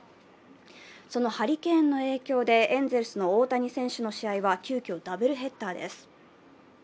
そのハリケーンの影響でエンゼルスの大谷翔平選手の試合は急きょ、ダブルヘッダーです。